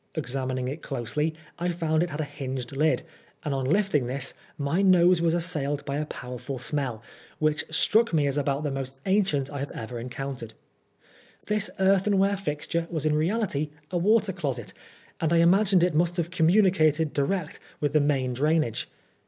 Examining it closely, I found it had a hinged lid, and on lifting this my nose was assailed by a powerful smell, which struck me as about the most ancient I had ever encountered. This earthenware fixture was in reality a water closet, and I imagined it must have communicated direct with the main drain age.